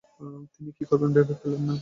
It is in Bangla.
তিনি কী করবেন ভেবে পেলেন না।